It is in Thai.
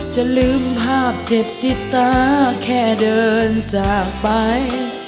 จะลืมภาพเจ็บติดตาแค่เดินจากไป